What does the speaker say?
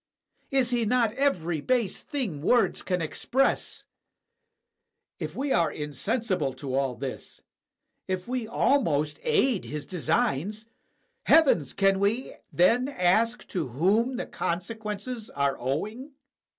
Is he not every base thing words can ex press? If we are insensible to all this, if we almost aid his designs — heavens! can we then ask to whom the con sequences are owing?